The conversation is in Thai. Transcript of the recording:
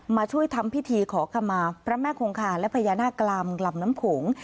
มาช่วยทำพิธีขอขมาพระแม่คงคาและพญานาคกลางลำน้ำโขง